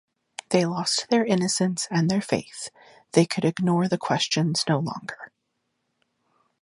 They lost their innocence and their faith, they could ignore the questions no longer.